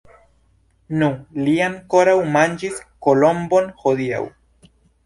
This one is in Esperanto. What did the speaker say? Nu! li ankoraŭ manĝis kolombon hodiaŭ.